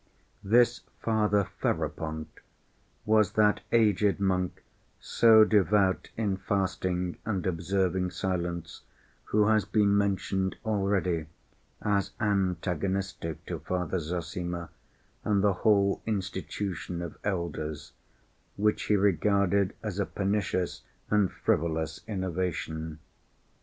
This Father Ferapont was that aged monk so devout in fasting and observing silence who has been mentioned already, as antagonistic to Father Zossima and the whole institution of "elders," which he regarded as a pernicious and frivolous innovation.